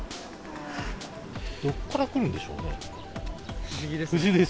どこから来るんでしょうね。